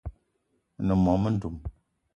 Me ne mô-mendum